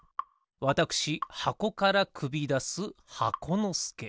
わたくしはこからくびだす箱のすけ。